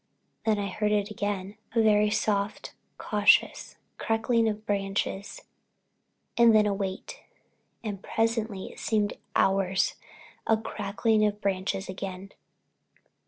Then I heard it again, very soft and cautious, a crackle of branches and then a wait, and presently—it seemed hours—a crackle of branches again.